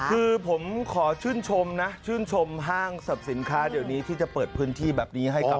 คือผมขอชื่นชมนะฮ่างศัพท์สินค้าเดี๋ยวนี้ที่จะเปิดพื้นที่แบบนี้